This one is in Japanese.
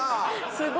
すごい。